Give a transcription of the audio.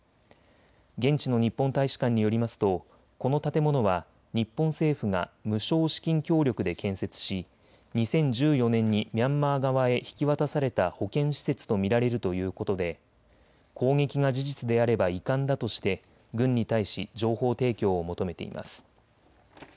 現地の日本大使館によりますとこの建物は日本政府が無償資金協力で建設し２０１４年にミャンマー側へ引き渡された保健施設と見られるということで攻撃が事実であれば遺憾だとして軍に対し情報提供を求めています。